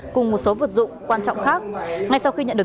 cùng một số vượt dụng quan trọng khác